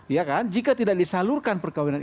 ya kan jika tidak disalurkan perkawinan